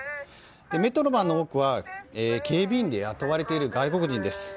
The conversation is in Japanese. メトロマンの多くは警備員で雇われている外国人です。